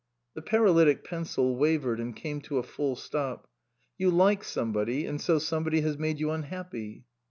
The paralytic pencil wavered and came to a full stop. " You like somebody, and so somebody has made you unhappy."